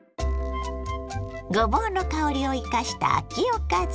ごぼうの香りを生かした秋おかず。